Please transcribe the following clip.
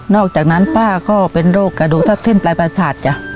อกจากนั้นป้าก็เป็นโรคกระดูกทับเส้นปลายประสาทจ้ะ